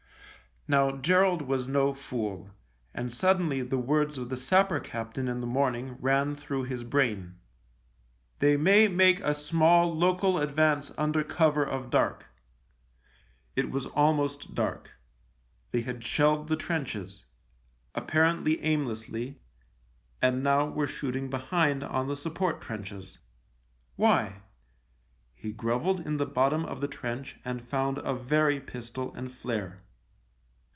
Now Gerald was no fool, and suddenly the words of the sapper captain in the morning rang through his brain. " They may make a small local advance under cover of dark." It was almost dark : they had shelled the THE LIEUTENANT 41 trenches — apparently aimlessly — and now were shooting behind on the support trenches. Why ? He grovelled in the bottom of the trench and found a Very pistol and flare.